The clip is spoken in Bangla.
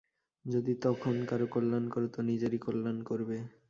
যদি তখন কারও কল্যাণ কর তো নিজেরই কল্যাণ করবে।